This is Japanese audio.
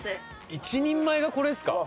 １人前がこれですか？